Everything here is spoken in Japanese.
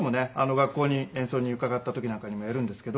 学校に演奏に伺った時なんかにもやるんですけど。